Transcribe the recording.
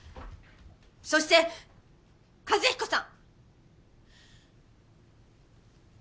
そして和彦さん。